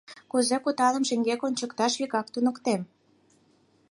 Кузе кутаным шеҥгек ончыкташ, вигак туныктем!